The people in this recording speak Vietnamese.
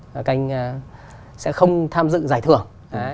các anh sẽ không tham dự giải thưởng